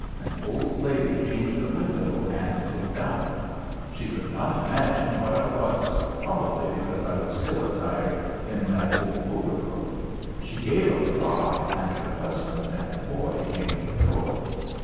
An old lady came to the window and looked out. She could not imagine what I was, probably, because I was still attired in that old overcoat. She gave a cry, and her husband and a boy came to the door.